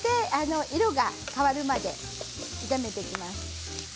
色が変わるまで炒めていきます。